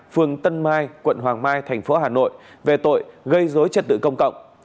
phường tân mai quận hoàng mai tp hà nội về tội gây dối trật tự công cộng